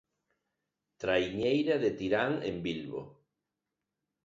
Traiñeira de Tirán en Bilbo.